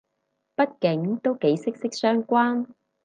畢竟都幾息息相關